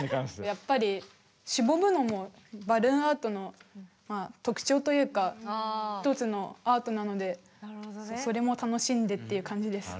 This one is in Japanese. やっぱりしぼむのもバルーンアートの特徴というか一つのアートなのでそれも楽しんでっていう感じです。